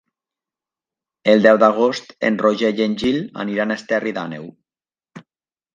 El deu d'agost en Roger i en Gil aniran a Esterri d'Àneu.